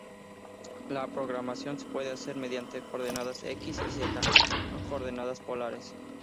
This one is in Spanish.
La programación se puede hacer mediante coordenadas X y Z o coordenadas polares.